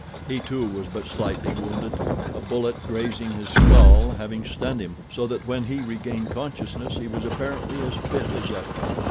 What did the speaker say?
He too was but slightly wounded, a bullet, grazing his skull, having stunned him, so that when he regained consciousness he was apparently as fit as ever.